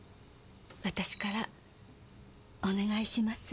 私からお願いします。